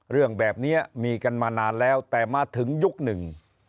เรื่องแบบนี้มีกันมานานแล้วแต่มาถึงยุคหนึ่ง